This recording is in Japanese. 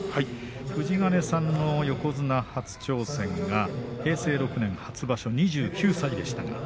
富士ヶ根さんの横綱初挑戦が平成６年初場所、２９歳でした。